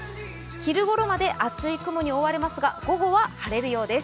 昼頃まで厚い雲に覆われますが午後は晴れるそうです。